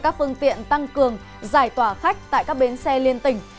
các phương tiện tăng cường giải tỏa khách tại các bến xe liên tỉnh